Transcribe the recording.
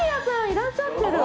いらっしゃってる。